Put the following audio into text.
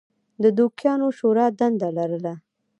د دوکیانو شورا دنده لرله.